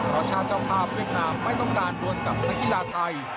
เพราะชาติเจ้าภาพเวียดนามไม่ต้องการดวนกับนักกีฬาไทย